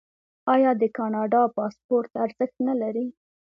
آیا د کاناډا پاسپورت ارزښت نلري؟